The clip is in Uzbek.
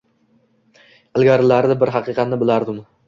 Ilgarilari bir haqiqatni bilardim.